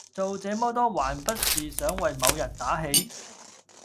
做這麼多還不是想為某人打氣